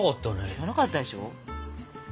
知らなかったでしょ。